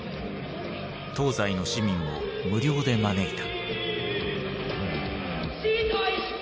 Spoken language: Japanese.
東西の市民を無料で招いた。